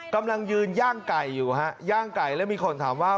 กำลังยืนย่างไก่อยู่ฮะย่างไก่แล้วมีคนถามว่า